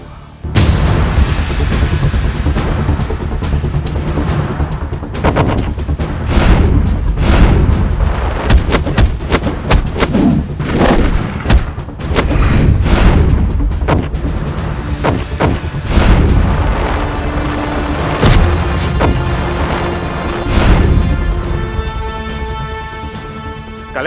kau tidak bisa menangku